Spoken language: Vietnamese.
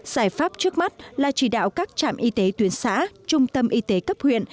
giải pháp trước mắt là chỉ đạo các trạm y tế tuyến xã trung tâm y tế cấp huyện